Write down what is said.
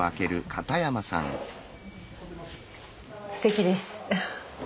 すてきです。